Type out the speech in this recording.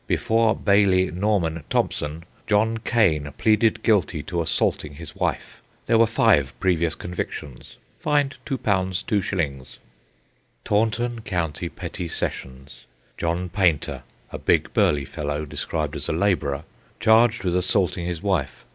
Before Baillie Norman Thompson. John Kane pleaded guilty to assaulting his wife. There were five previous convictions. Fined £2, 2s. Taunton County Petty Sessions. John Painter, a big, burly fellow, described as a labourer, charged with assaulting his wife.